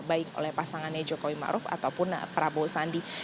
baik oleh pasangannya jokowi maruf ataupun prabowo sandi